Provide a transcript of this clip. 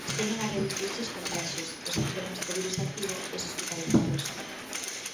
Seguen a reducirse os contaxios, os enfermos co virus activo e os hospitalizados.